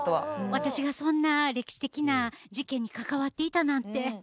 私がそんな歴史的な事件に関わっていたなんて。